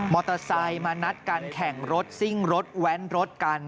มอเตอร์ไซค์มานัดการแข่งรถซิ่งรถแว้นรถกัน